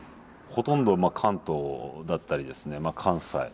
ほとんど関東だったり関西